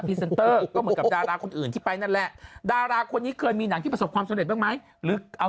พรคืนอีกนะขึ้นอีกนางมันไปหา